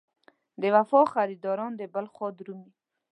د وفا خریداران دې بل خوا درومي.